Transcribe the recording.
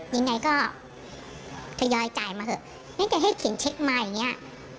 ยังไงก็ทยอยจ่ายมาเถอะแม้แต่ให้เขียนเช็คมาอย่างเงี้ย